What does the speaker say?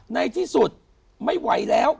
ในที่สุดไม่ไหวแล้ว